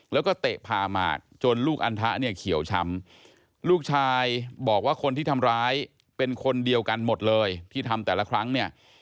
แล้วก็เตะผ่าหมากจนลูกอันทะเนี่ยเขียวช้ำลูกชายบอกว่าคนที่ทำร้ายเป็นคนเดียวกันหมดเลยที่ทำแต่ละครั้งเนี่ย